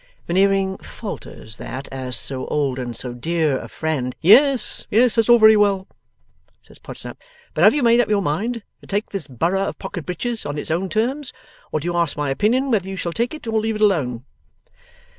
Veneering falters that as so old and so dear a friend 'Yes, yes, that's all very well,' says Podsnap; 'but have you made up your mind to take this borough of Pocket Breaches on its own terms, or do you ask my opinion whether you shall take it or leave it alone?